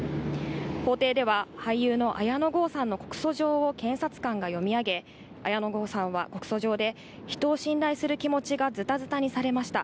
法廷では俳優の綾野剛さんの告訴状を検察官が読み上げ、綾野剛さんは告訴状で、人を信頼する気持ちがずたずたにされました。